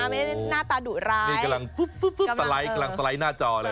ไม่ได้น่าตาดุร้ายนี่กำลังซุ๊บซุ๊บซุ๊บสไลด์กำลังสไลด์หน้าจอเลย